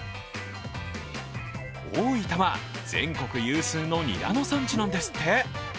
大分は全国有数のニラの産地なんですって。